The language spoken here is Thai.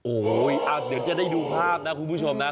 โอ้โหเดี๋ยวจะได้ดูภาพนะคุณผู้ชมนะ